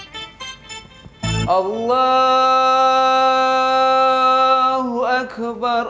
kusir syetan syetan itu